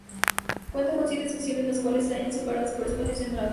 Cuenta con siete secciones, las cuales se hallan separadas por espacios en blanco.